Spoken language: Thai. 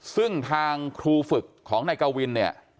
ซึ่งทางครูฝึกของนายกวินเนี่ย